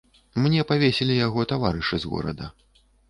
Мне павесілі яго таварышы з горада.